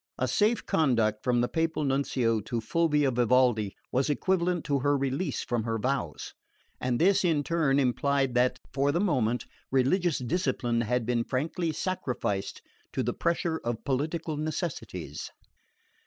A safe conduct from the Papal Nuncio to Fulvia Vivaldi was equivalent to her release from her vows; and this in turn implied that, for the moment, religious discipline had been frankly sacrificed to the pressure of political necessities.